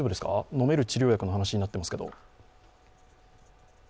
飲める治療薬の話になっていますけど。